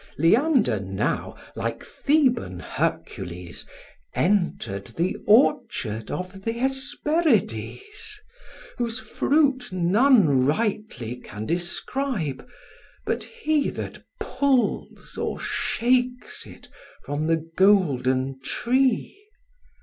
Leander now, like Theban Hercules, Enter'd the orchard of th' Hesperides; Whose fruit none rightly can describe, but he That pulls or shakes it from the golden tree.